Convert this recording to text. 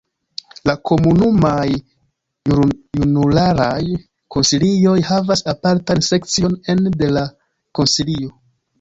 La komunumaj junularaj konsilioj havas apartan sekcion ene de la Konsilio.